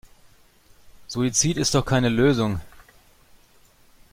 Suizid ist doch keine Lösung.